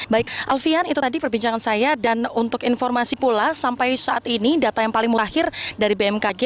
baik alfian itu tadi perbincangan saya dan untuk informasi pula sampai saat ini data yang paling lahir dari bmkg